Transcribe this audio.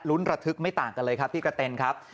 ระทึกไม่ต่างกันเลยครับพี่กะเต็นครับ